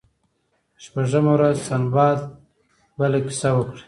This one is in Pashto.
شپږمه ورځ سنباد بله کیسه وکړه.